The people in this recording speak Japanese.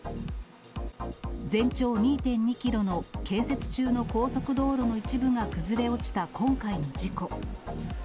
全長２．２キロの建設中の高速道路の一部が崩れ落ちた今回の事故。